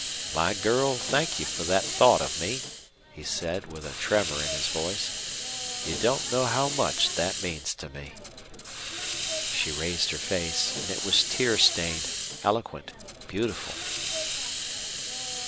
"My girl, thank you for that thought of me," he said, with a tremor in his voice. "You don't know how much that means to me." She raised her face, and it was tear stained, eloquent, beautiful.